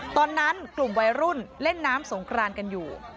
ตอนนั้นกลุ่มวัยรุ่นเล่นน้ำสงครานกันอยู่